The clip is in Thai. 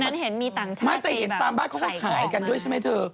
มันเห็นมีต่างชาติไม่แต่เห็นตามบ้านเขาก็ขายกันด้วยใช่ไหมเธอ